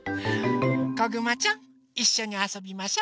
こぐまちゃんいっしょにあそびましょ。